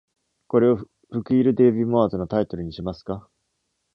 これを、フキールデーヴィモアーズのタイトルにしますか？